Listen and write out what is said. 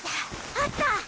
あった！